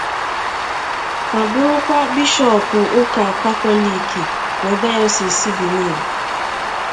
ma bụrụkwa Bishọọpụ ụka Katọliiki na Dayọsiisi Benin